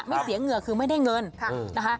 ไม่เสียเหงื่อคือไม่ได้เงินนะคะ